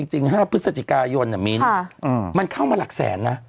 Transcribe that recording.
จริงมันเข้ามาหลักแสน